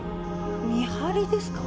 見張りですか？